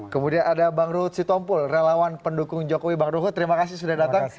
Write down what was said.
kemudian ada bang ruhut sitompul relawan pendukung jokowi bang ruhut terima kasih sudah datang